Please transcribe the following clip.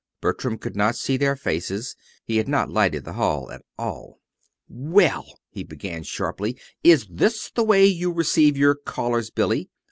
Bertram could not see their faces. He had not lighted the hall at all. "Well," he began sharply, "is this the way you receive your callers, Billy?